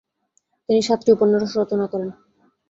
তিনি সাতটি উপন্যাস রচনা করেন।